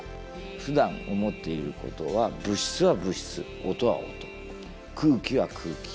ふだん思っていることは物質は物質音は音空気は空気。